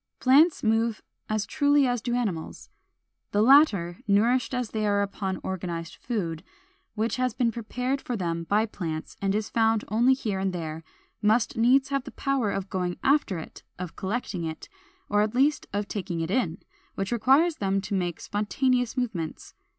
Plants move as truly as do animals. The latter, nourished as they are upon organized food, which has been prepared for them by plants, and is found only here and there, must needs have the power of going after it, of collecting it, or at least of taking it in; which requires them to make spontaneous movements.